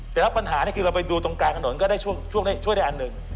แต่ละปัญหานี่คือเราไปดูตรงกลางถนนก็ได้ช่วยได้อันหนึ่ง